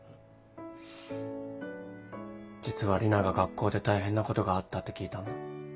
実は里奈が学校で大変なことがあったって聞いたんだ。